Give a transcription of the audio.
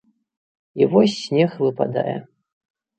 І вось снег выпадае.